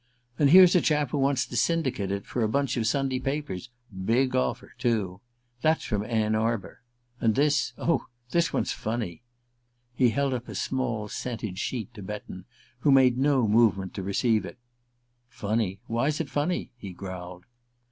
And here's a chap who wants to syndicate it for a bunch of Sunday papers: big offer, too. That's from Ann Arbor. And this oh, this one's funny!" He held up a small scented sheet to Betton, who made no movement to receive it. "Funny? Why's it funny?" he growled.